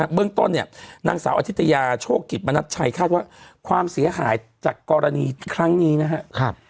บ้างต้อนเนี่ยนางสาวอธิตยาช่วงกิจมารับใช้คาดว่าความเสียหายจากอรรณีครั้งนี้นะฮะ